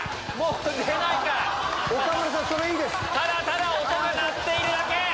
ただ音が鳴っているだけ。